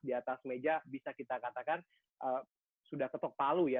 di atas meja bisa kita katakan sudah ketok palu ya